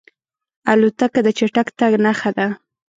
الوتکه د چټک تګ نښه ده.